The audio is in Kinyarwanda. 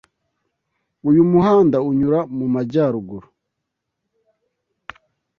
Uyu muhanda unyura mu majyaruguru.